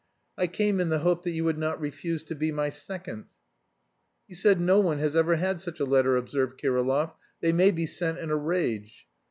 I came in the hope that you would not refuse to be my second." "You said no one has ever had such a letter," observed Kirillov, "they may be sent in a rage.